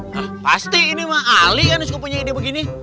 hah pasti ini mah ali yang suka punya ide begini